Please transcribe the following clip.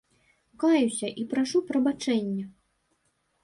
Каюся і прашу прабачэння.